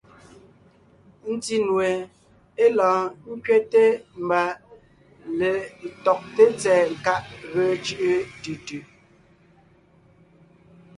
Ńtí nue (é lɔɔn ńkẅɛte mbà) letɔgté tsɛ̀ɛ nkáʼ ge cʉ́ʼ tʉ tʉ.